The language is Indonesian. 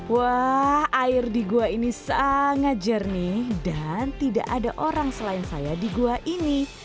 wah air di gua ini sangat jernih dan tidak ada orang selain saya di gua ini